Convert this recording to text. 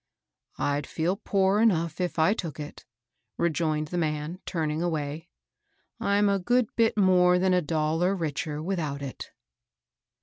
" I'd feel poor enoughi if I took it," rejoined the man, turning away. "I'm a good bit more than a dollar richer witlumt it.